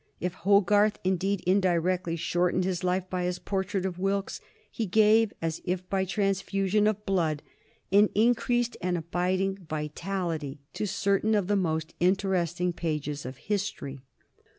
If Hogarth indeed indirectly shortened his life by his portrait of Wilkes, he gave, as if by transfusion of blood, an increased and abiding vitality to certain of the most interesting pages of history.